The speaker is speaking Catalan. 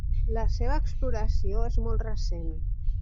La seva exploració és molt recent.